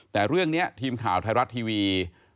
แต่เรื่องนี้ทีมข่าวไทยรัฐทีวี